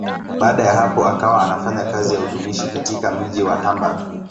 Baada ya hapo akawa anafanya kazi ya utumishi katika mji wa Hamburg.